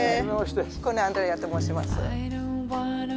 彦根アンドレアと申します。